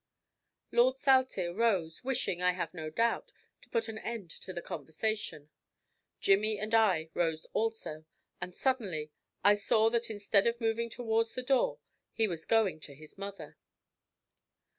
Lord Saltire rose, wishing, I have no doubt, to put an end to the conversation. Jimmy and I rose also; and suddenly I saw that instead of moving towards the door he was going to his mother.